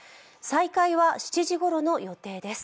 再開は７時ごろの予定です。